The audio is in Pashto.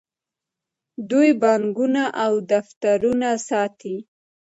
دوی بانکونه او دفترونه ساتي.